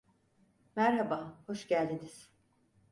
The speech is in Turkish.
Merhaba, hoş geldiniz.